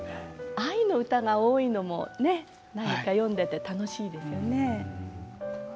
愛の歌が多いのも何か読んでいて楽しいですよね。